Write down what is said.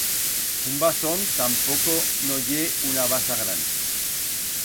Un basón tapoco no ye una basa gran.